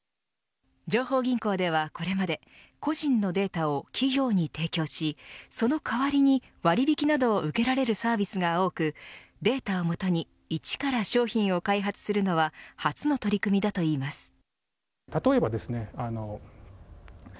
情報銀行ではこれまで個人のデータを企業に提供しその代わりに割り引きなどを受けられるサービスが多くデータをもとに一から消費を開発するのは初の取り組みだといいます。